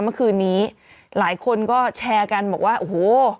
เมื่อคืนนี้หลายคนก็แชร์กันบอกว่าโอ้โห